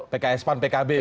pks pan pkb gitu ya